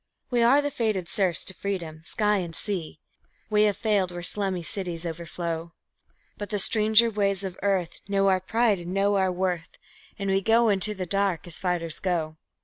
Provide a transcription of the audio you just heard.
We are the fated serfs to freedom sky and sea; We have failed where slummy cities overflow; But the stranger ways of earth know our pride and know our worth, And we go into the dark as fighters go.